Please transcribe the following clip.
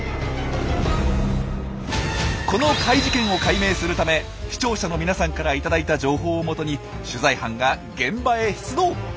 この怪事件を解明するため視聴者の皆さんから頂いた情報をもとに取材班が現場へ出動！